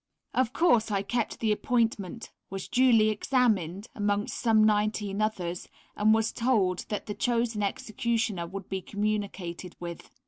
Of course, I kept the appointment, was duly examined, amongst some nineteen others, and was told that the chosen executioner would be communicated with.